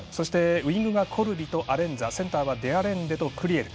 ウイングがコルビとアレンザセンターはデアレンデとクリエル。